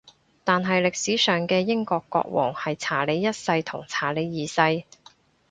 但係歷史上嘅英國國王係查理一世同查理二世